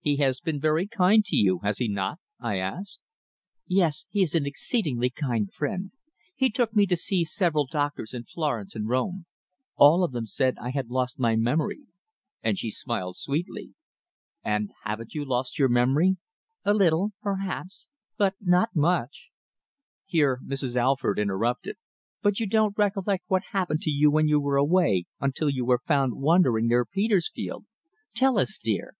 "He has been very kind to you has he not?" I asked. "Yes. He is an exceedingly kind friend. He took me to see several doctors in Florence and Rome. All of them said I had lost my memory," and she smiled sweetly. "And haven't you lost your memory?" "A little perhaps but not much." Here Mrs. Alford interrupted. "But you don't recollect what happened to you when you were away, until you were found wandering near Petersfield. Tell us, dear."